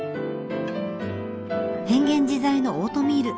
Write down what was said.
変幻自在のオートミール